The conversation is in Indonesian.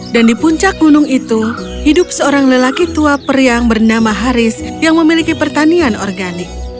dan di puncak gunung itu hidup seorang lelaki tua periang bernama haris yang memiliki pertanian organik